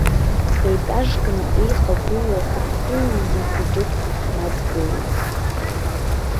Етажкны еихагылоу ӷәтәы ҩны хәыҷык ҳнадгылеит.